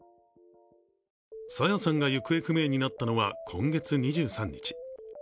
朝芽さんが行方不明になったのは今月２３日。